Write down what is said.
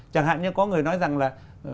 chẳng hạn như có người nói rằng là